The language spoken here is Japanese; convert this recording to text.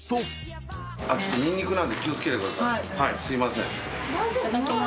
すいません。